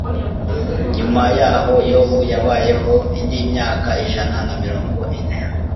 nyuma y'aho, yobu yabayeho indi myaka ijana na mirongo ine